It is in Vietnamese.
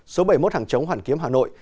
số bảy mươi một hàng chống hoàn kiếm hà nội